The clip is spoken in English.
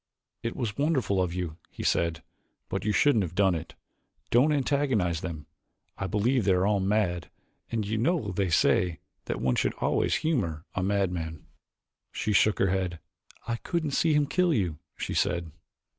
"It was wonderful of you," he said, "but you shouldn't have done it. Don't antagonize them: I believe that they are all mad and you know they say that one should always humor a madman." She shook her head. "I couldn't see him kill you," she said.